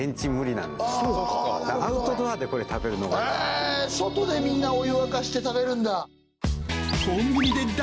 アウトドアでこれ食べる外でみんなお湯沸かして食べるんだ